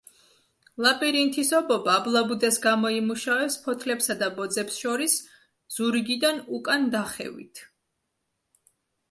ლაბირინთის ობობა აბლაბუდას გამოიმუშავებს ფოთლებსა და ბოძებს შორის ზურგიდან უკან დახევით.